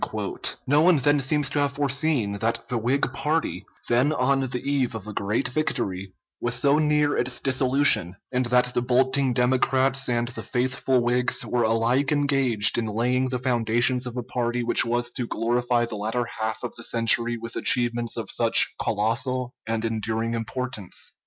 No one then seems to have foreseen that the Whig party then on the eve of a great victory was so near its dissolution, and that the bolting Democrats and the faithful Whigs were alike engaged in laying the foundations of a party which was to glorify the latter half of the century with achievements of such colossal and enduring importance.